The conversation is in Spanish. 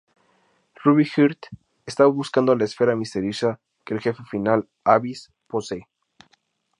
Ruby Heart está buscando la esfera misteriosa que el jefe final, Abyss posee.